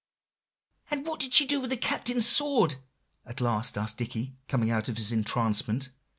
"And what did she do with the Captain's sword?" at last asked Dicky, coming out of his entrancement.